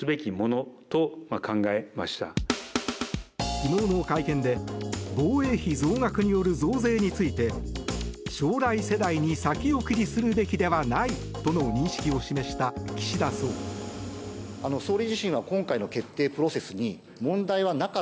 昨日の会見で防衛費増額による増税について将来世代に先送りするべきではないとの認識を示した岸田総理。